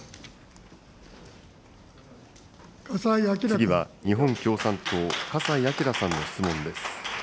次は日本共産党、笠井亮さんの質問です。